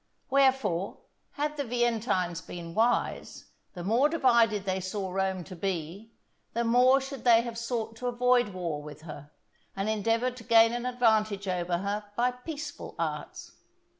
Wherefore, had the Veientines been wise, the more divided they saw Rome to be, the more should they have sought to avoid war with her, and endeavoured to gain an advantage over her by peaceful arts.